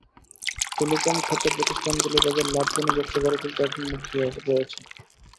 Telecom খাতের প্রতিষ্ঠানগুলো তাদের লাভজনক ব্যবসা গড়ে তুলতে এখন মুখিয়ে রয়েছে।